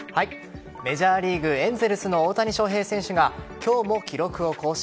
メジャーリーグエンゼルスの大谷翔平選手が今日も記録を更新。